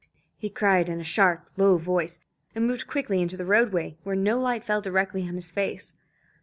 he cried in a sharp low voice, and moved quickly into the roadway, where no light fell directly on his face.